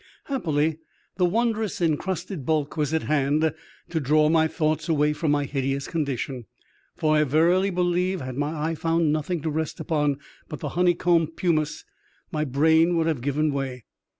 Happily, the wondrous encrusted bulk was at hand to draw my thoughts away from my hideous condition, for I verily believe, had my eye found nothing to rest upon but the honeycombed pumice, my brain would have given way.